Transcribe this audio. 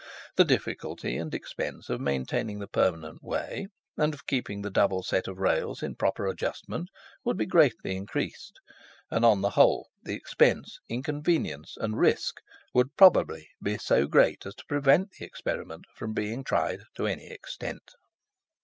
The difficulty and expense of maintaining the permanent way, and of keeping the double set of rails in proper adjustment, would be greatly increased; and on the whole, the expense, inconvenience, and risk, would probably be so great as to prevent the experiment from being tried to any extent.